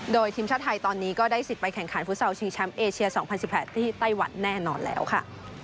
โดยทีมชาติไทยตอนนี้ก็ได้สิทธิ์ไปแข่งขันฟุตซอลชิงแชมป์เอเชีย๒๐๑๘ที่ไต้หวันแน่นอนแล้วค่ะ